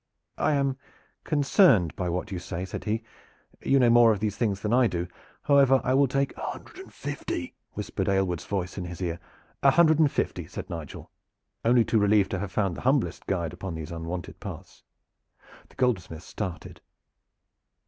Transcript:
"I am concerned by what you say," said he. "You know more of these things than I can do. However, I will take " "A hundred and fifty," whispered Aylward's voice in his ear. "A hundred and fifty," said Nigel, only too relieved to have found the humblest guide upon these unwonted paths. The goldsmith started.